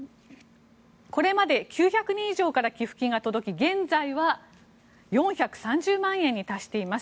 これまで９００人以上から寄付金が届き現在は４３０万円に達しています。